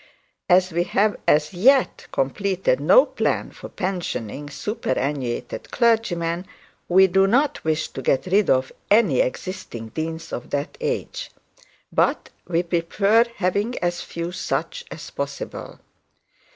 As we have as yet completed no plan for positioning superannuated clergymen, we do not wish to get rid of any existing deans of that age. But we prefer having as few such as possible.